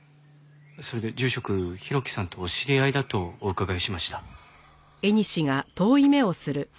それで住職浩喜さんとお知り合いだとお伺いしました。